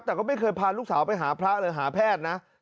แต่ก็ไม่เคยพาลูกสาวไปหาพระหรือหาแพทย์นะ